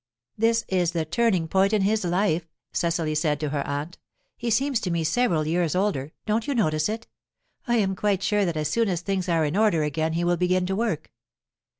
"This is the turning point in his life," Cecily said to her aunt. "He seems to me several years older; don't you notice it? I am quite sure that as soon as things are in order again he will begin to work."